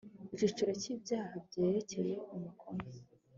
icyiciro cy ibyaha byerekeye umukono